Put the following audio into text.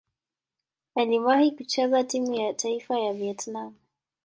Aliwahi kucheza timu ya taifa ya Vietnam.